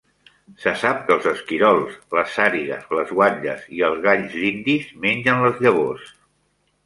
Se sap que els esquirols, les sarigues, les guatlles i els galls dindis mengen les llavors.